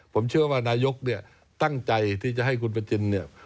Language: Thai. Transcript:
ผมเชื่อว่านายกเนี่ยตั้งใจที่จะให้คุณประจินเนี่ย